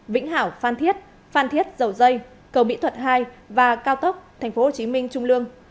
vĩnh hảo phan thiết phan thiết dầu dây cầu mỹ thuật hai và cao tốc tp hcm trung lương